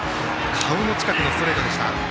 顔の近くのストレートでした。